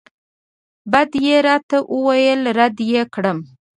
بد یې راته وویل رد یې کړم.